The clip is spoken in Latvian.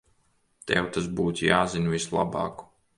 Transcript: Tev tas būtu jāzina vislabāk.